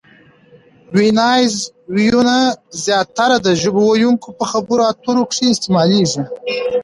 ویناییز وییونه زیاتره د ژبو ویونکي په خبرو اترو کښي استعمالوي.